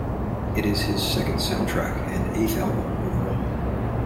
It is his second soundtrack and eighth album overall.